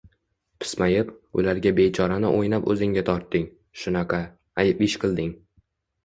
pismayib, ularga bechorani o‘ynab o‘zingga tortding, shunaqa, ayb ish qilding.